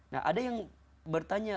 nah ada yang bertanya